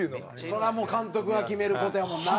そりゃもう監督が決める事やもんな！